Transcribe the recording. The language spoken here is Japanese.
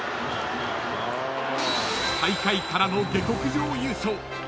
［最下位からの下克上優勝］